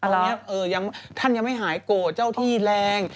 อ๋อเหรอตอนนี้ท่านยังไม่หายโก่เจ้าที่แรง